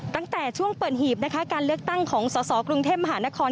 ตั้งแต่ช่วงเปิดหีบนะคะการเลือกตั้งของสสกรุงเทพมหานคร